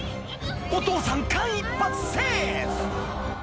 お父さん間一髪セーフ！